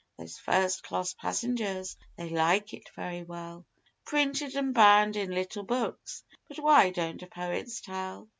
Those first class passengers they like it very well, Printed an' bound in little books; but why don't poets tell?